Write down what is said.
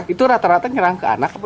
itu rata rata nyerang ke anak